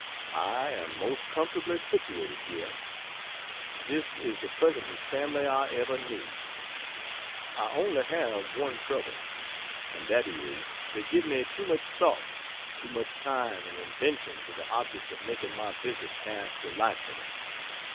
I am most comfortably situated here. This is the pleasantest family I ever knew. I only have one trouble, and that is they give me too much thought and too much time and invention to the object of making my visit pass delightfully.